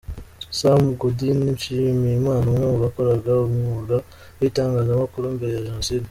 Sam Gaudin Nshimiyimana umwe mu bakoraga umwuga w'itangazamakuru mbere ya Jenoside.